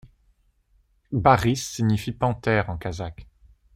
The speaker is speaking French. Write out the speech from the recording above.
Barys signifie panthère en kazakh.